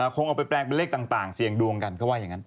คงเอาไปแปลงเป็นเลขต่างเสี่ยงดวงกันเขาว่าอย่างนั้น